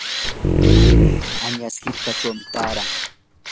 añas hirkachawmi taaran.